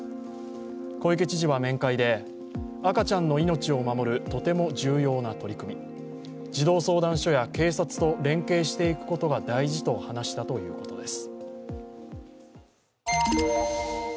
小池知事は面会で、赤ちゃんの命を守るとても重要な取り組み、児童相談所や警察と連携していくことが大事と話したということです。